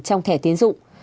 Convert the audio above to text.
trong thẻ tiến dụng